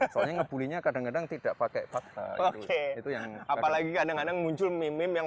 soalnya bulinya kadang kadang tidak pakai fakta itu yang apalagi kadang kadang muncul mimpi yang